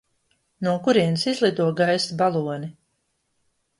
No kurienes izlido gaisa baloni?